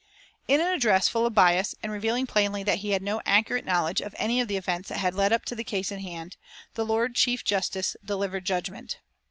In an address full of bias, and revealing plainly that he had no accurate knowledge of any of the events that had led up to the case in hand, the Lord Chief Justice delivered judgment.